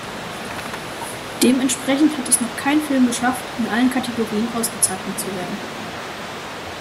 Dementsprechend hat es noch kein Film geschafft in allen Kategorien ausgezeichnet zu werden.